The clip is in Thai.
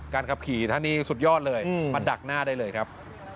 ขับขี่ท่านนี้สุดยอดเลยมาดักหน้าได้เลยครับ